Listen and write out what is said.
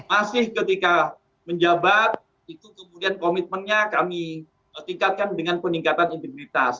masih ketika menjabat itu kemudian komitmennya kami tingkatkan dengan peningkatan integritas